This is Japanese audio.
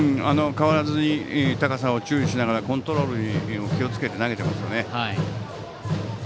変わらずに高さに注意しながらコントロールにも気をつけて投げてますよね。